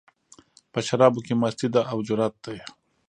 په شرابو کې مستي ده، او جرت دی